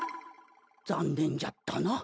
残念じゃったな。